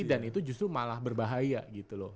dan itu justru malah berbahaya gitu loh